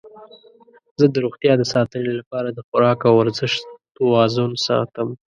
زه د روغتیا د ساتنې لپاره د خواراک او ورزش توازن ساتم.